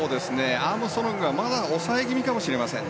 アームストロングがまだ抑え気味かもしれません。